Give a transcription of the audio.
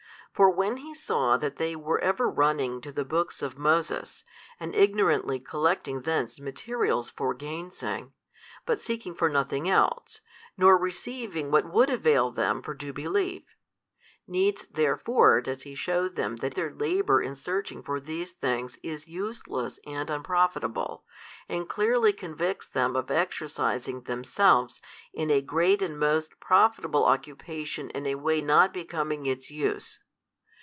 For when He saw that they were ever running to the books of Moses, and ignorantly collecting thence materials for gainsaying, but seeking for nothing else, nor receiving what would avail them for due belief: needs therefore does He shew them that their labour in searching for these things is useless and unprofitable, and clearly convicts them of exercising themselves in a great and most profitable occupation in a way not becoming its use.